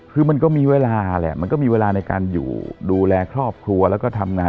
คือมันก็มีเวลาแหละมันก็มีเวลาในการอยู่ดูแลครอบครัวแล้วก็ทำงาน